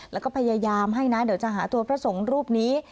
แล้วก็พยายามให้นะเดี๋ยวจะหาตัวพระสงฆ์รูปนี้